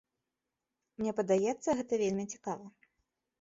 Мне падаецца гэта вельмі цікава.